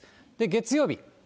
月曜日。